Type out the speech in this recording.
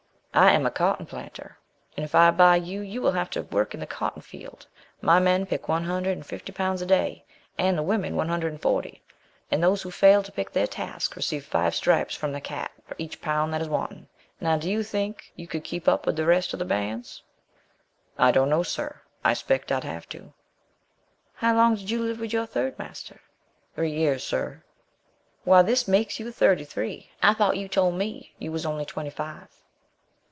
"I am a cotton planter, and if I buy you, you will have to work in the cotton field. My men pick one hundred and fifty pounds a day, and the women one hundred and forty, and those who fail to pick their task receive five stripes from the cat for each pound that is wanting. Now, do you think you could keep up with the rest of the bands?" "I don't know, sir, I 'spec I'd have to." "How long did you live with your third master?" "Three years, sir." "Why, this makes you thirty three, I thought you told me you was only twenty five?"